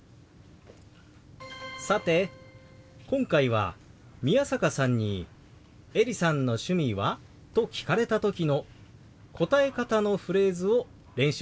さて今回は宮坂さんに「エリさんの趣味は？」と聞かれた時の答え方のフレーズを練習してきました。